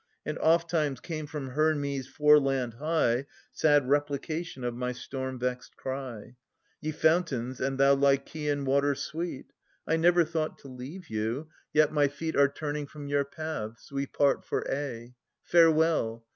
And ofttimes came from Hermes' foreland high Sad replication of my storm vext cry ; Ye fountains and thou Lycian water sweet, —/ never thought to leave you, yet my feet 1463 1471] Philodetes 319 Are turning from your paths, — we part for aye. Farewell!